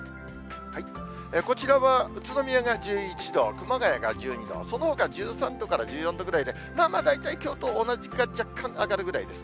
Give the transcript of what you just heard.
こちらは宇都宮が１１度、熊谷が１２度、そのほか１３度から１４度ぐらいで、まあまあ大体きょうと同じか、若干上がるぐらいです。